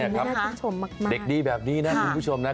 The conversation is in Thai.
นี่ค่ะเด็กดีแบบนี้นะคุณผู้ชมนะ